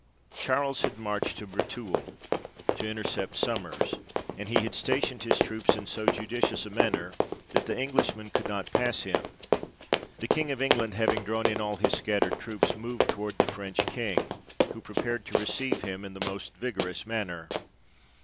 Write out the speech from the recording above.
Charles had marched to Breteuil, to intercept Sommers, and he had stationed his troops in so judicious a manner, that the Englishmen could not pass him. The King of England having drawn in all his scattered troops, moved towards the French King ; who prepared to receive him in the most vigorous manner.